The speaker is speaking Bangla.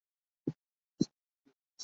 তাদের সবকিছু জানার অধিকার রয়েছে।